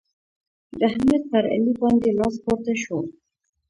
د احمد پر علي باندې لاس پورته شو.